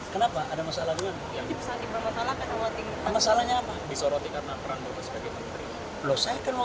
kenapa ada masalah dengan masalahnya apa disorotin karena perang luar biasa gitu loh